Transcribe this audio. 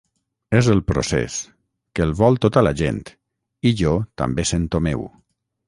És el procés, que el vol tota la gent, i jo també sento meu.